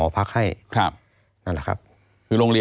ตั้งแต่ปี๒๕๓๙๒๕๔๘